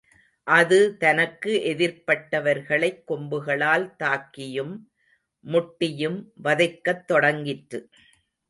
அது தனக்கு எதிர்ப்பட்டவர்களைக் கொம்புகளால் தாக்கியும் முட்டியும் வதைக்கத் தொடங்கிற்று.